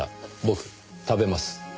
僕食べます。